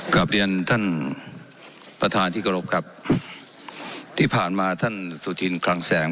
กลับเรียนท่านประธานที่กรบครับที่ผ่านมาท่านสุธินคลังแสง